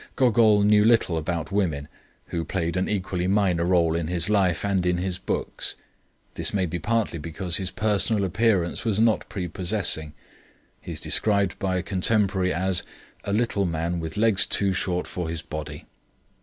Gogol knew little about women, who played an equally minor role in his life and in his books. This may be partly because his personal appearance was not prepossessing. He is described by a contemporary as "a little man with legs too short for his body.